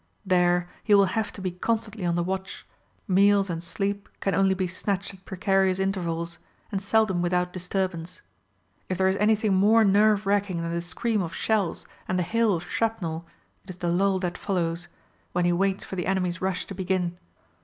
There he will have to be constantly on the watch, meals and sleep can only be snatched at precarious intervals, and seldom without disturbance; if there is anything more nerve racking than the scream of shells and the hail of shrapnel it is the lull that follows, when he waits for the enemy's rush to begin.